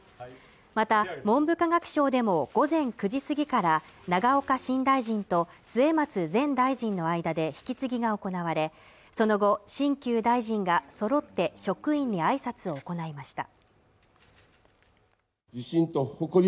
また文部科学省でも午前９時過ぎから永岡新大臣と末松前大臣の間で引き継ぎが行われその後新旧大臣がそろって職員にあいさつを行いました